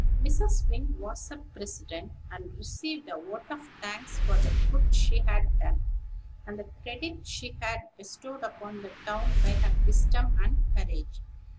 Mrs. Wing was president, and received a vote of thanks for the good she had done, and the credit she had bestowed upon the town by her wisdom and courage.